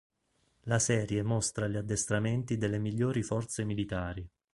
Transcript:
La serie mostra gli addestramenti delle migliori forze militari.